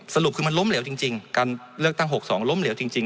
สรุปคือมันล้มเหลวจริงการเลือกตั้ง๖๒ล้มเหลวจริง